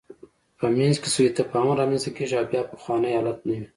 په منځ کې یې سوء تفاهم رامنځته کېږي او بیا پخوانی حالت نه وي.